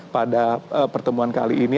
pada pertemuan kali ini